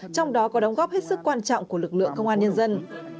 trong đó có đóng góp hết sức quan trọng của lực lượng công an nhân dân